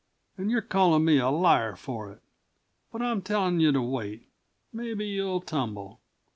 An' you're callin' me a liar for it. But I'm tellin' you to wait. Mebbe you'll tumble.